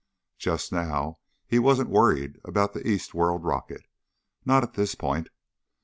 Just now he wasn't worrying about the East World rocket. Not at this point.